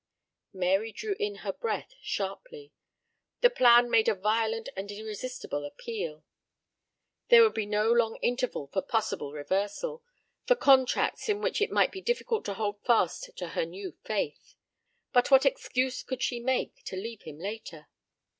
Mary drew in her breath sharply. The plan made a violent and irresistible appeal. There would be no long interval for possible reversal, for contacts in which it might be difficult to hold fast to her new faith. But what excuse could she make to leave him later?